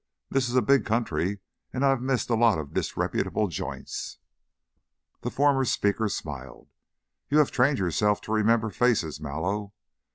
This is a big country and I've missed a lot of disreputable joints." The former speaker smiled. "You have trained yourself to remember faces, Mallow.